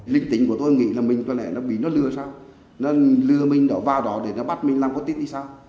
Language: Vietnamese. linh tính của tôi nghĩ là mình có lẽ nó bị nó lừa sao nó lừa mình vào đó để nó bắt mình làm quốc tích đi sao